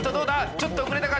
ちょっと遅れたか？